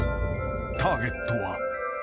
ターゲットは］